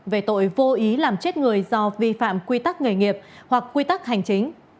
về tội vô ý làm chết người do vi phạm quy tắc nghề nghiệp hoặc quy tắc hành chính